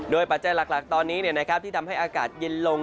ปัจจัยหลักตอนนี้ที่ทำให้อากาศเย็นลง